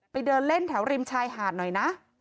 เดินเล่นแถวริมชายหาดหน่อยนะ